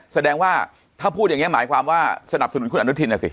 แสดงว่าถ้าพูดอย่างนี้หมายความว่าสนับสนุนคุณอนุทินนะสิ